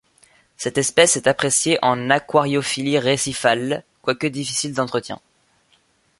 Cette espèce est appréciée en aquariophilie récifale, quoique difficile d'entretien.